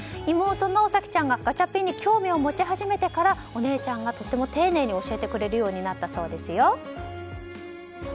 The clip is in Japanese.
妹の咲希ちゃんがガチャピンに興味を持ち始めてからお姉ちゃんがとても丁寧に教えてくれるようになったそうですよ。